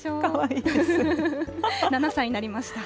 ７歳になりました。